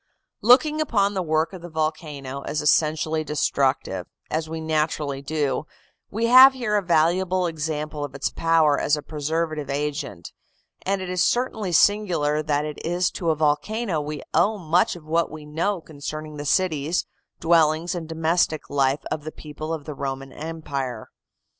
Looking upon the work of the volcano as essentially destructive, as we naturally do, we have here a valuable example of its power as a preservative agent; and it is certainly singular that it is to a volcano we owe much of what we know concerning the cities, dwellings and domestic life of the people of the Roman Empire.